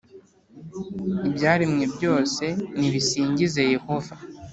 Ibyaremwe byose nibisingize Yehova